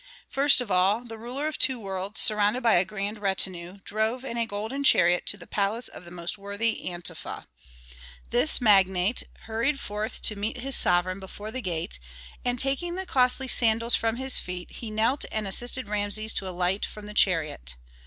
First of all, the ruler of two worlds, surrounded by a grand retinue, drove in a golden chariot to the palace of the most worthy Antefa. This magnate hurried forth to meet his sovereign before the gate, and, taking the costly sandals from his feet he knelt and assisted Rameses to alight from the chariot.